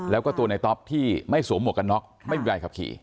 แล้วก็ตัวในต๊อปที่ไม่สวมหมวกกันน็อกไม่มีใบขับขี่